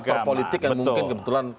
aktor politik yang mungkin kebetulan